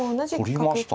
取りましたね。